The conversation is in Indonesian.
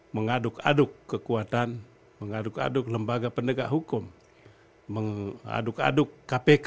mengaduk aduk kekuatan mengaduk aduk lembaga pendegak hukum mengaduk aduk kpk